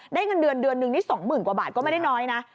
ได้เงินเดือนหนึ่งที่สองหมื่นกว่าบาทก็ไม่ได้น้อยนะ